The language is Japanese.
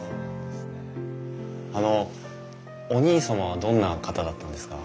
あのお兄様はどんな方だったんですか？